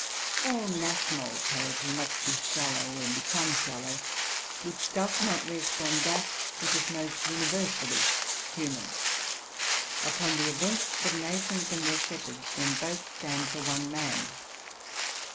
All national poetry must be shallow or become shallow which does not rest on that which is most universally human, — upon the events of nations and their shepherds, when both stand for one man.